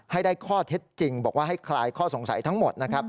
ให้ได้ข้อเท็จจริงบอกว่าให้คลายข้อสงสัยทั้งหมดนะครับ